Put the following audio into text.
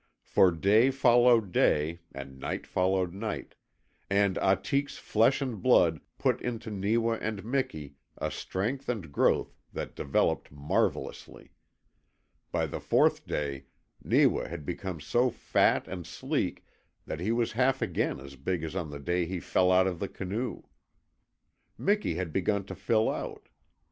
For day followed day, and night followed night, and Ahtik's flesh and blood put into Neewa and Miki a strength and growth that developed marvellously. By the fourth day Neewa had become so fat and sleek that he was half again as big as on the day he fell out of the canoe. Miki had begun to fill out.